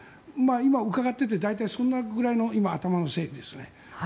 今伺っていてそのぐらいの頭の整理ですね。